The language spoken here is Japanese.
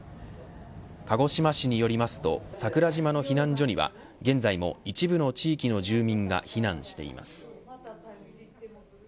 鹿児島市によりますと桜島の避難所には現在も一部の地域の住民が避難しています。